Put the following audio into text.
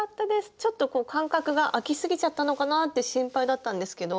ちょっと間隔があきすぎちゃったのかなって心配だったんですけど。